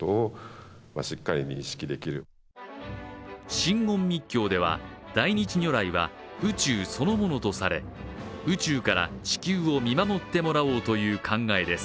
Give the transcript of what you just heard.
真言密教では、大日如来は宇宙そのものとされ宇宙から地球を見守ってもらおうという考えです。